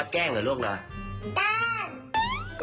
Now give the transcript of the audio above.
สุดท้ายของพ่อต้องรักมากกว่านี้ครับ